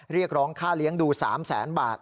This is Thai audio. เรียกร้องค่าเลี้ยงดู๓แสนบาท